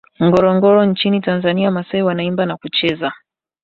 Ngorongoro nchini Tanzania Maasai wanaimba na kucheza